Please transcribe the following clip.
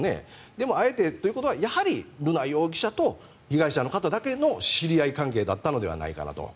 でも、あえてということはやはり瑠奈容疑者と被害者の方だけの知り合い関係だったのではないかと。